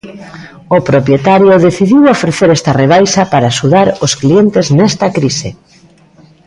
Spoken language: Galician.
O propietario decidiu ofrecer esta rebaixa para axudar os clientes nesta crise.